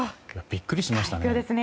びっくりしましたね。